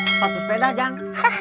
sepatu sepeda ajeng